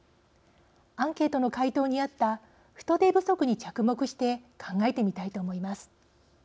アンケートの回答にあった人手不足に着目して考えてみたいと思います。